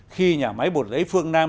khi nhà máy bột giấy phương nam